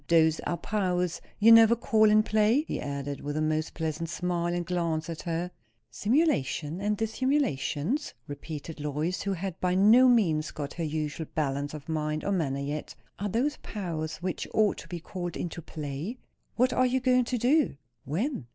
Those are powers you never call in play?" he added, with a most pleasant smile and glance at her. "Simulation and dissimulation?" repeated Lois, who had by no means got her usual balance of mind or manner yet. "Are those powers which ought to be called into play?" "What are you going to do?" "When?"